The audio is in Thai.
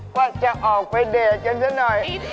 ว่าจะออกไปเดทกันซะหน่อย